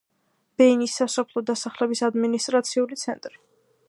ბეინის სასოფლო დასახლების ადმინისტრაციული ცენტრი.